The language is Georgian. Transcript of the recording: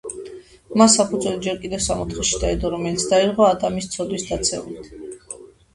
მას საფუძველი ჯერ კიდევ სამოთხეში დაედო, რომელიც დაირღვა ადამის ცოდვით დაცემით.